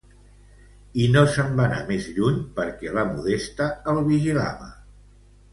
I no se'n va anar més lluny perquè la Modesta el vigilava.